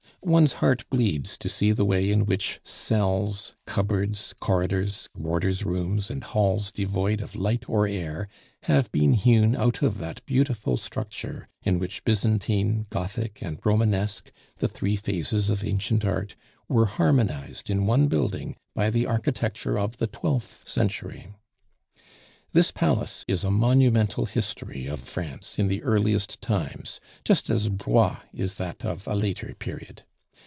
One's heart bleeds to see the way in which cells, cupboards, corridors, warders' rooms, and halls devoid of light or air, have been hewn out of that beautiful structure in which Byzantine, Gothic, and Romanesque the three phases of ancient art were harmonized in one building by the architecture of the twelfth century. This palace is a monumental history of France in the earliest times, just as Blois is that of a later period.